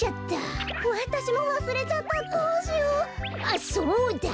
あっそうだ！